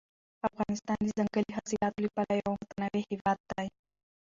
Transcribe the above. افغانستان د ځنګلي حاصلاتو له پلوه یو متنوع هېواد دی.